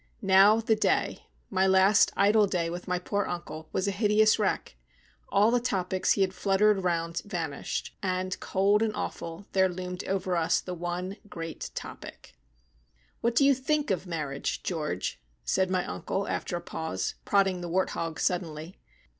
Now, the day my last idle day with my poor uncle was a hideous wreck. All the topics he had fluttered round vanished, and, cold and awful, there loomed over us the one great topic. "What do you think of marriage, George?" said my uncle, after a pause, prodding the wart hog suddenly.